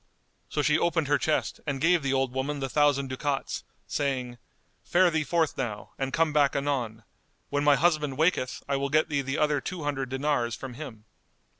So she opened her chest and gave the old woman the thousand ducats, saying, "Fare thee forth now and come back anon; when my husband waketh, I will get thee the other two hundred dinars from him."